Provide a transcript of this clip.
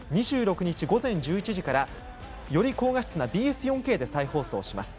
２６日午前１１時からより高画質なＢＳ４Ｋで再放送します。